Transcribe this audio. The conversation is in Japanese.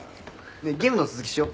ねえゲームの続きしよ。